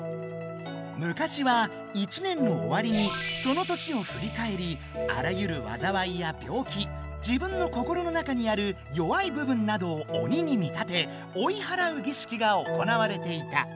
むかしは１年のおわりにその年をふりかえりあらゆるわざわいや病気自分の心の中にある弱い部分などを鬼にみたて追いはらうぎしきが行われていた。